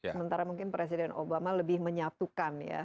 sementara mungkin presiden obama lebih menyatukan ya